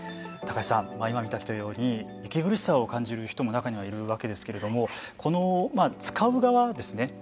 高橋さん、今見てきたように息苦しさを感じる人も中にはいるわけですけれどもこの使う側ですね